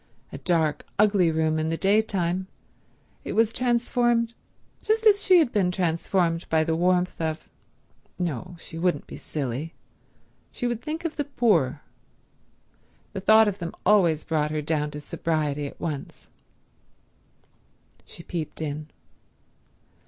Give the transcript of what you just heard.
A dark, ugly room in the daytime, it was transformed just as she had been transformed by the warmth of—no, she wouldn't be silly; she would think of the poor; the thought of them always brought her down to sobriety at once. She peeped in.